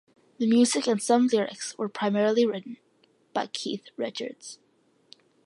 The music and some lyrics were primarily written by Keith Richards.